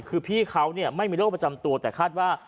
คือพี่เขาไม่มีโรคประจำตัวแต่คาดว่า